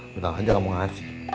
gelang aja gak mau ngasih